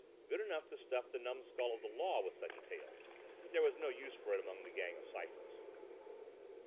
Good enough to stuff the numskull of the law with such a tale, but there was no use for it among the gang of Cyphers.